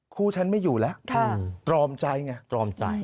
คู่ฉันไม่อยู่แล้วตรอมใจไง